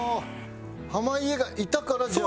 濱家がいたからじゃあ？